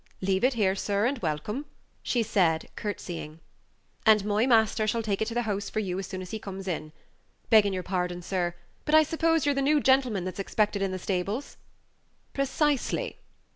"Leave it here, sir, and welcome," she said, courtesying, "and my master shall take it to the house for you as soon as he comes in. Begging your pardon, sir, but I suppose you're the new gentleman that's expected in the stables?" "Precisely."